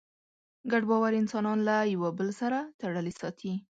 ګډ باور انسانان له یوه بل سره تړلي ساتي.